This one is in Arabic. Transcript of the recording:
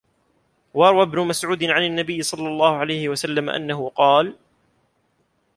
وَرَوَى ابْنُ مَسْعُودٍ عَنْ النَّبِيِّ صَلَّى اللَّهُ عَلَيْهِ وَسَلَّمَ أَنَّهُ قَالَ